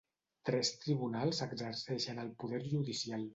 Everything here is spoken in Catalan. Tres tribunals exerceixen el poder judicial.